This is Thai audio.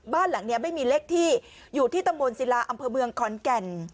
บ้านหลังนี้ไม่มีเลขที่อยู่ที่ตำบลศิลาอำเภอเมืองขอนแก่น